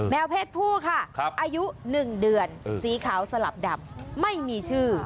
เพศผู้ค่ะอายุ๑เดือนสีขาวสลับดำไม่มีชื่อ